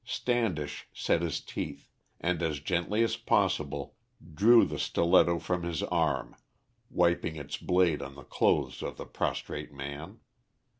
Standish set his teeth, and as gently as possible drew the stiletto from his arm, wiping its blade on the clothes of the prostrate man.